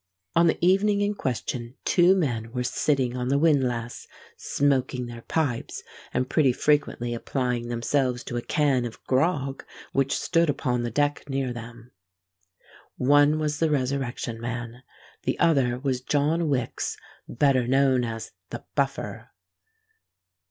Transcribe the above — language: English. On the evening in question two men were sitting on the windlass, smoking their pipes, and pretty frequently applying themselves to a can of grog which stood upon the deck near them. One was the Resurrection Man: the other was John Wicks, better known as the Buffer.